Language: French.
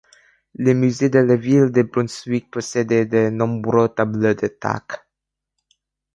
Le musée de la ville de Brunswick possède de nombreux tableaux de Tacke.